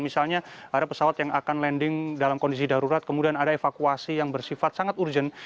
misalnya ada pesawat yang akan landing dalam kondisi darurat kemudian ada evakuasi yang bersifat sangat urgent